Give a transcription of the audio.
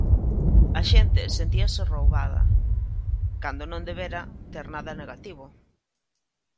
A xente sentíase roubada, cando non debera ter nada negativo.